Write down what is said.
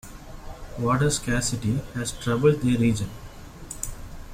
Water scarcity has troubled the region.